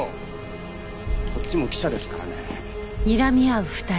こっちも記者ですからね。